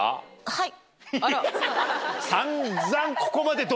はい。